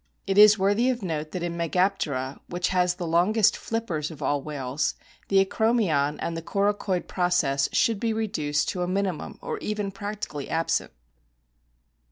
It is worthy of note that in Megaptera, which has the longest flippers of all whales, the acromion and the coracoid process should be reduced to a minimum or even practically absent.